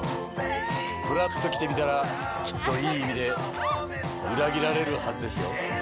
ふらっと来てみたらきっと良い意味で裏切られるはずですよ。